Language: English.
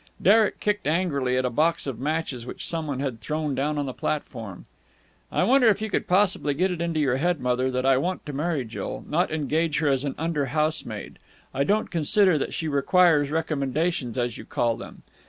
Derek kicked angrily at a box of matches which someone had thrown down on the platform. "I wonder if you could possibly get it into your head, mother, that I want to marry Jill, not engage her as an under housemaid. I don't consider that she requires recommendations, as you call them.